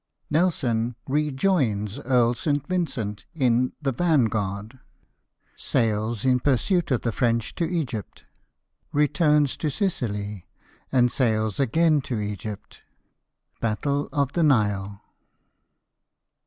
Nelson rejoins Earl St. Vincent in the Vanguard — Sails in pursuit of the French to Egypt — Returns to Sicily, and sails again to Egypt — Battle of the Nile.